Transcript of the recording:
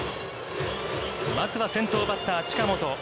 まずは先頭バッター近本。